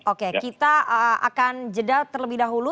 oke kita akan jeda terlebih dahulu